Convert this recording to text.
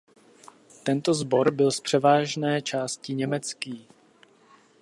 Tento sbor byl z převážné části německý.